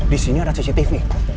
di sini ada cctv